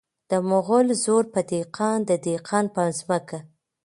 د مغل زور په دهقان د دهقان په ځمکه .